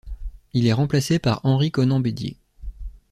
Il est remplacé par Henri Konan Bédié.